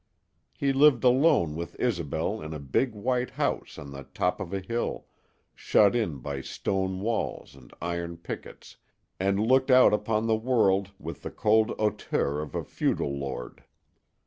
He lived alone with Isobel in a big white house on the top of a hill, shut in by stone walls and iron pickets, and looked out upon the world with the cold hauteur of a feudal lord.